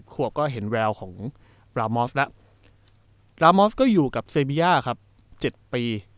ขวบก็เห็นแววของบรามอสแล้วรามอสก็อยู่กับเซบีย่าครับ๗ปี